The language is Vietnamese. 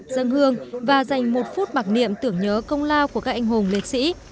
dân hương và dành một phút mặc niệm tưởng nhớ công lao của các anh hùng liệt sĩ